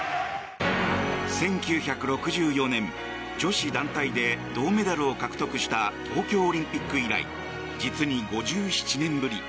１９６４年女子団体で銅メダルを獲得した東京オリンピック以来実に５７年ぶり。